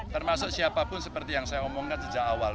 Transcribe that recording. termasuk siapapun seperti yang saya omongkan sejak awal